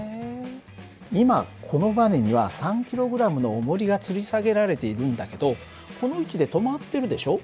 今このばねには３ｋｇのおもりがつり下げられているんだけどこの位置で止まってるでしょ。